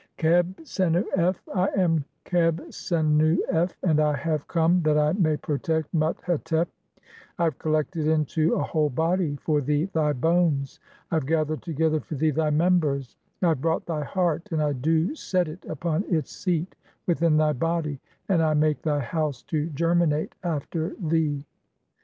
XIII. (1) Qebh sennu f :— "I am Qebh sennu f, and I have "come (2) that I may protect Mut hetep ; I have collected into "a whole body for thee thy bones, I have gathered (3) together "for thee thy members, I have brought thy heart and I do set "it upon its seat within thy body, and I make thy house to ger "minate after thee."